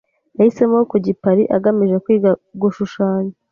Yahisemo kujya i Paris agamije kwiga gushushanya.